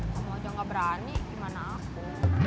kamu aja gak berani gimana aku